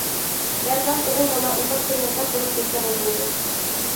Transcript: مەردان:-ئوغۇل بالا ئۇنداق تەييار تاپ بولۇپ كەتسە بولمايدۇ.